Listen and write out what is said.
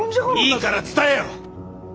いいから伝えよ！